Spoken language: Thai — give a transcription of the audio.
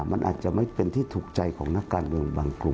มันอาจจะไม่เป็นที่ถูกใจของนักการเมืองบางกลุ่ม